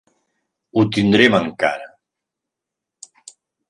Ho tindrem encara!